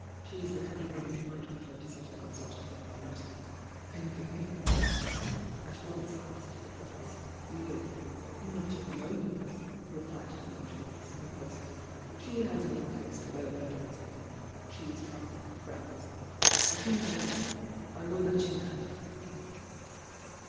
"She's the kind of woman who might prefer to settle that sort of thmg by letter." "Can you give me her address?" at once asked the rrofessor, eagerly. "^?* ^iJ^^ moment," repUed Dimitrius, com posedly. 'She has no fixed abode at present,— she's traveUmg with friends. As soon as I hear from her, I will let you know!"